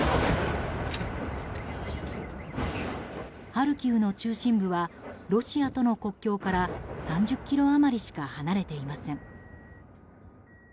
ハルキウの中心部はロシアとの国境から３０ｋｍ余りしか離れていません。